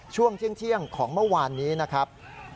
ช่วงเที่ยงของเมื่อวานนี้นะครับ